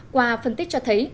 qua phân tích cho thấy